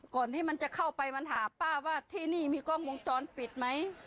ก่อนที่มันจะเข้าไปมันหาป้าว่าที่นี่มีกล้องวงจรปิดไหม